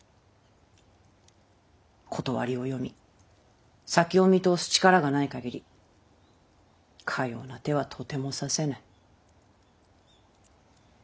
理を読み先を見通す力がない限りかような手はとてもさせぬ。